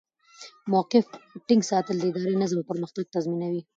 د موقف ټینګ ساتل د ادارې نظم او پرمختګ تضمینوي.